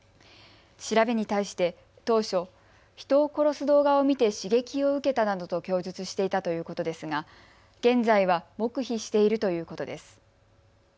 調べに対して当初、人を殺す動画を見て刺激を受けたなどと供述していたということですが現在は黙秘しているということです。